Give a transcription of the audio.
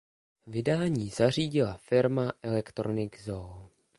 Vydání zařídila firma Electronic Zoo.